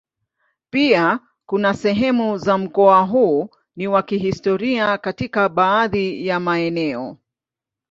Pia kuna sehemu za mkoa huu ni wa kihistoria katika baadhi ya maeneo.